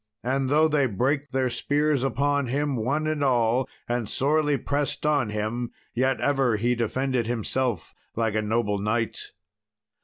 And though they brake their spears upon him, one and all, and sorely pressed on him, yet ever he defended himself like a noble knight.